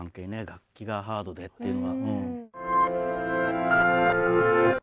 楽器がハードでっていうのが。